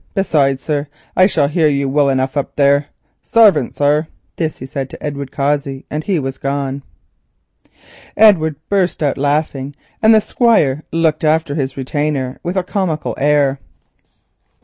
Besides, sir, I shall hear you well enough up there. Sarvant, sir!" this to Edward Cossey, and he was gone. Edward burst out laughing, and the Squire looked after his retainer with a comical air.